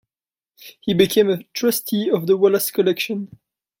He became a trustee of the Wallace Collection.